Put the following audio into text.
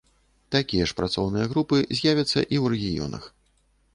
Такія ж працоўныя групы з'явяцца і ў рэгіёнах.